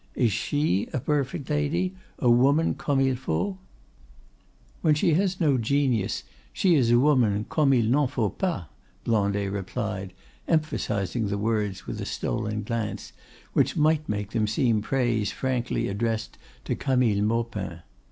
Is she a perfect lady, a woman comme il faut?" "When she has no genius, she is a woman comme il n'en faut pas," Blondet replied, emphasizing the words with a stolen glance, which might make them seem praise frankly addressed to Camille Maupin.